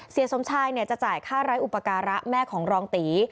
สมชายจะจ่ายค่าไร้อุปการะแม่ของรองตี